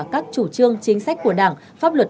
các chủ trương chính sách của đảng pháp luật